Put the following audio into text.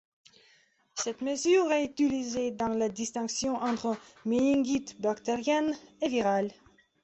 Cette mesure est utilisé dans la distinction entre méningite bactérienne et virale.